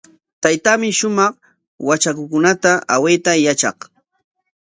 Taytaami shumaq watrakukunata awayta yatraq.